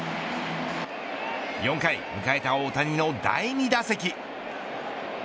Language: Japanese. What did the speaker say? ４回、迎えた大谷の第２打席。